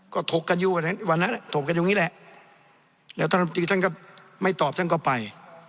ก็ถกกันอยู่วันนั้นถกกันตรงนี้แหละแล้วท่านลำตีท่านก็ไม่ตอบท่านก็ไป